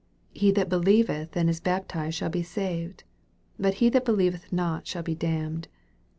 16 He that believeth and is baptized shall be saved ; but he that belie veth not slwll be damned.